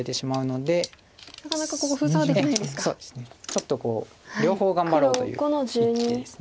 ちょっとこう両方頑張ろうという一手です。